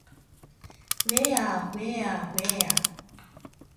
ふぇあふぇわふぇわ